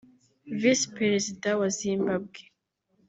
Visi Perezida wa Zimbabwe